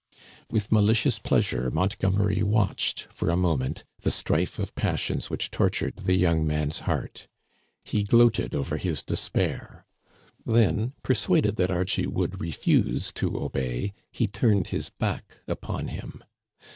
With malicious pleasure Montgomery watched .for a moment the strife of passions which tortured the young man's heart. He gloated over his despair. Then, per suaded that Archie would refuse to obey, he turned his back upon him.